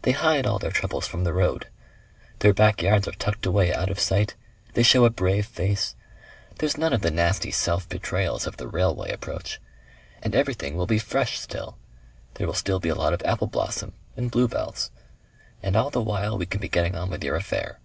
They hide all their troubles from the road. Their backyards are tucked away out of sight, they show a brave face; there's none of the nasty self betrayals of the railway approach. And everything will be fresh still. There will still be a lot of apple blossom and bluebells.... And all the while we can be getting on with your affair."